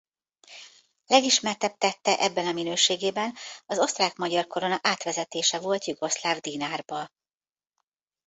Legismertebb tette ebben a minőségében az osztrák–magyar korona átvezetése volt jugoszláv dinárba.